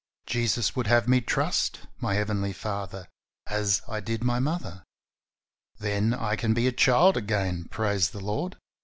Jesus would have me trust my Heavenly Father as I did my mother. Then I can be a child again, bless the Lord!